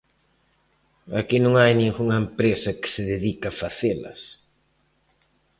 Aquí non hai ningunha empresa que se dedique a facelas.